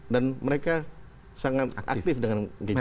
dan mereka sangat aktif dengan gadget